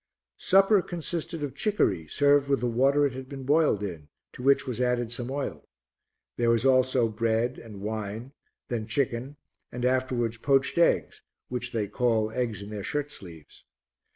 Supper consisted of chicory served with the water it had been boiled in, to which was added some oil; there was also bread and wine, then chicken and afterwards poached eggs which they call eggs in their shirtsleeves.